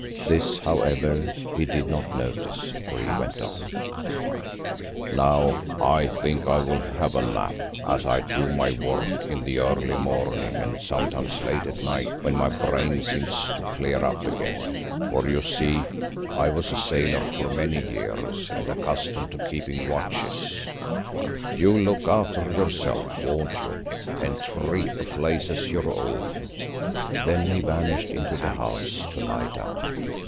This, however, he did not notice, for he went on, "Now I think I will have a nap, as I do my work in the early morning, and sometimes late at night when my brain seems to clear up again, for you see I was a sailor for many years and accustomed to keeping watches. You'll look after yourself, won't you, and treat the place as your own?" Then he vanished into the house to lie down.